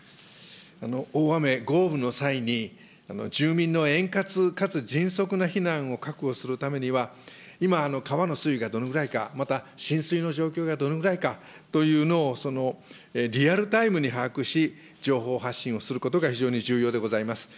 大雨、豪雨の際に住民の円滑かつ迅速な避難を確保するためには、今、川の水位がどのぐらいか、また浸水の状況がどのぐらいかというのをリアルタイムに把握し、情報発信をすることが非常に重要でございます。